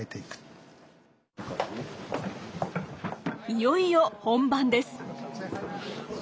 いよいよ本番です。